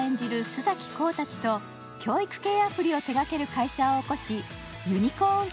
須崎功たちと教育系アプリを手がける会社を起こしユニコーン